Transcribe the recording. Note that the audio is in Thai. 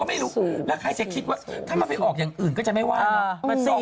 ไม่รู้แล้วใครจะคิดว่าถ้ามันไปออกอย่างอื่นก็จะไม่ว่านะ